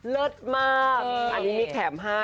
เลิศมากอันนี้มีแถมให้